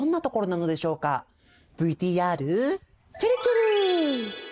ＶＴＲちぇるちぇる！